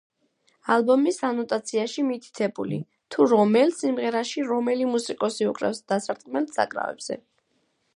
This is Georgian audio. ალბომის ანოტაციაში მითითებული, თუ რომელ სიმღერაში რომელი მუსიკოსი უკრავს დასარტყმელ საკრავებზე.